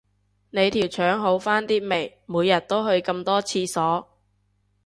你條腸好返啲未，每日都去咁多廁所